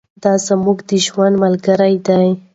دا زموږ د ژوند ملګرې ده.